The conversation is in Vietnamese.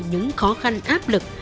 những khó khăn áp lực